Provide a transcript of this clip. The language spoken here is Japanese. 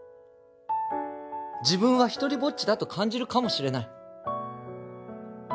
自分は独りぼっちだと感じるかもしれない